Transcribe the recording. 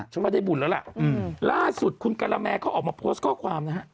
ว่าได้บุญแล้วล่ะล่าสุดคุณกะละแมเขาออกมาโพสต์ข้อความนะฮะ